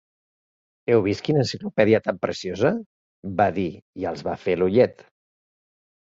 Heu vist quina enciclopèdia tan preciosa? —va dir, i els va fer l'ullet.